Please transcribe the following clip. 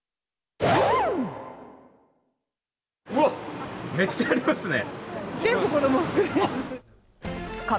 うわっ、めっちゃありますね。